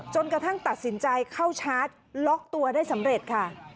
จนกระทั่งตัดสินใจเข้าชาร์จล็อกตัวได้สำเร็จค่ะ